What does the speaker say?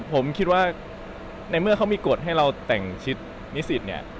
ผมคิดว่าในเมื่อเขามีกฎให้เราแต่งชิดนิสิตเนี่ย